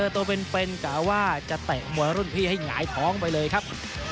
ตัวเป็นกะว่าจะเตะมวยรุ่นพี่ให้หงายท้องไปเลยครับ